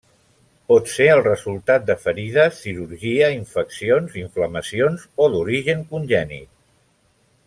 Pot ser el resultat de ferides, cirurgia, infeccions, inflamacions o d'origen congènit.